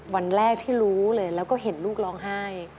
วันแรกที่รู้เลยแล้วก็เห็นลูกร้องไห้